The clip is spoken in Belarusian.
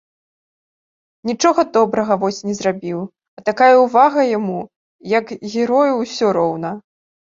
Нічога добрага вось не зрабіў, а такая ўвага яму, як герою ўсё роўна.